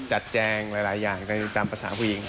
จัดแจ้งหลายอย่างตามภาษาผู้หญิง